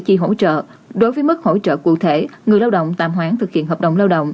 chi hỗ trợ đối với mức hỗ trợ cụ thể người lao động tạm hoãn thực hiện hợp đồng lao động